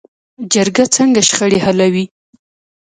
جرګه څنګه شخړې حلوي؟